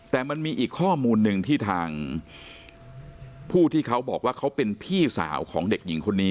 แต่มันมีอีกข้อมูลหนึ่งที่ทางผู้ที่เขาบอกว่าเขาเป็นพี่สาวของเด็กหญิงคนนี้